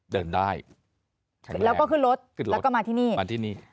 เราก็ขึ้นรถแล้วก็มาที่นี่มาที่นี่